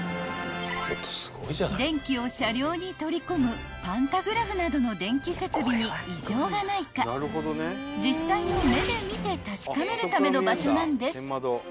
［電気を車両に取り込むパンタグラフなどの電気設備に異常がないか実際の目で見て確かめるための場所なんです］